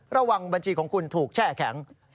ระวังบัญชีของคุณถูกแช่แข็ง